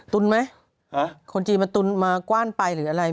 ตุนไหมคนจีนมันตุนมากว้านไปหรืออะไร